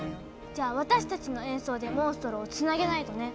じゃあ私たちの演奏でモンストロをつなげないとね。